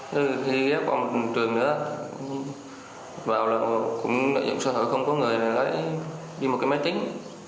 thế thì ghé qua một trường nữa vào lợi dụng sở hữu không có người lấy đi một cái máy tính